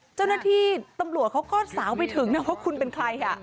เจ้าหน้าที่ตำรวจเขาก็สาวไปถึงนะว่าคุณเป็นใคร